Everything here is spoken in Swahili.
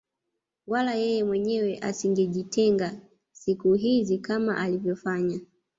Wala yeye mwenyewe asingejitenga siku hizi kama alivyofanya